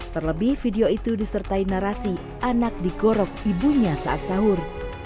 terlebih video itu disertai narasi anak digorok ibunya saat sahur